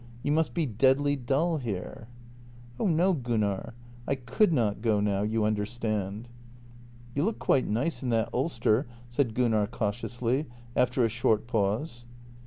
You must be deadly dull here." " Oh no, Gunnar — I could not go now, you understand." " You look quite nice in that ulster," said Gunnar cautiously, after a short pause.